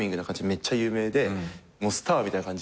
めっちゃ有名でスターみたいな感じで。